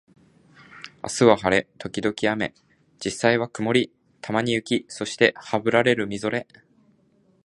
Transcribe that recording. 明日は晴れ、時々雨、実際は曇り、たまに雪、そしてハブられるみぞれ